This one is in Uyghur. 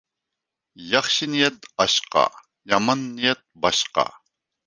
ياخشى نىيەت ئاشقا، يامان نىيەت باشقا.